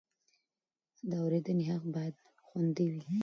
د اورېدنې حق باید خوندي وي.